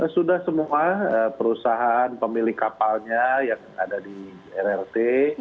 sudah semua perusahaan pemilik kapalnya yang ada di rrt